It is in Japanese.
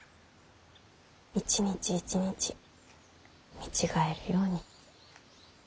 一日一日見違えるように。